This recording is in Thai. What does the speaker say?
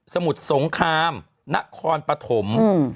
มุสงครามนครปฐม